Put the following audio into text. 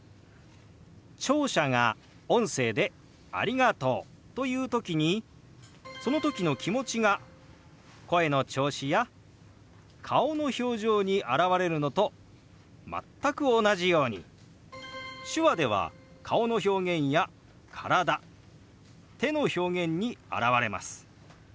聴者が音声で「ありがとう」と言う時にその時の気持ちが声の調子や顔の表情に表れるのと全く同じように手話では顔の表現や体・手の表現に表れます。